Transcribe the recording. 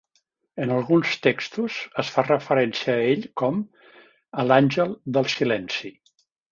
En alguns textos, es fa referència a ell com a l'Àngel del Silenci.